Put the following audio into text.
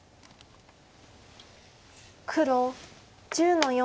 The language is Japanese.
黒１０の四。